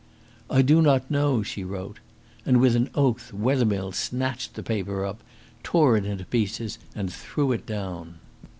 "I do not know," she wrote; and, with an oath, Wethermill snatched the paper up, tore it into pieces, and threw it down.